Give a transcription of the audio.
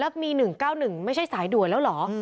แล้วมี๑๙๑ไม่ใช่สายด่วนแล้วเหรอ